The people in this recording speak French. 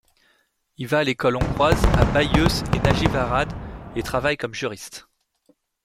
Il va à l'école hongroise à Beiuș et Nagyvárad et travaille comme juriste.